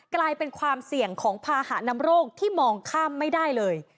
กลายเป็นความเสี่ยงของภาหะนำโรคที่มองข้ามไม่ได้เลย